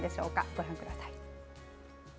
ご覧ください。